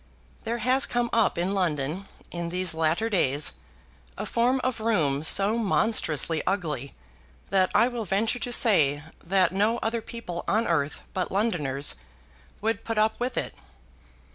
There has come up in London in these latter days a form of room so monstrously ugly that I will venture to say that no other people on earth but Londoners would put up with it.